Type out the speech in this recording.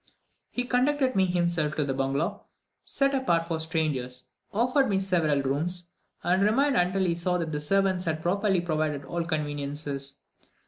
He conducted me himself to the bungalow, set apart for strangers, offered me several rooms, and remained until he saw that the servants had properly provided all conveniences.